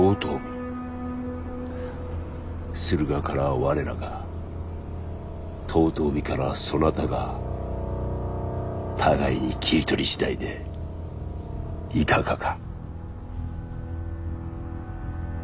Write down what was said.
駿河からは我らが遠江からはそなたが互いに切り取り次第でいかがか。